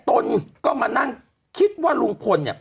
ต้นก็มานั่งคิดว่ารุงพล